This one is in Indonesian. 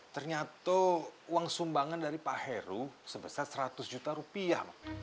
ternyata uang sumbangan dari pak heru sebesar seratus juta rupiah